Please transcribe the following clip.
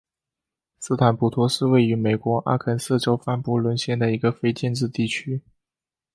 斯坦普托是位于美国阿肯色州范布伦县的一个非建制地区。